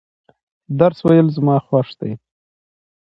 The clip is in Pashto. درس ویل زما خوښ دي.